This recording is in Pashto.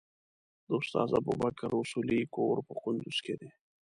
د استاد ابوبکر اصولي کور په کندوز کې دی.